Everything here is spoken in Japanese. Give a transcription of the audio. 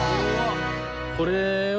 これは。